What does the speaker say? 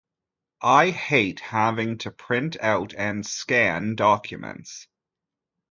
I hate having to print out and scan documents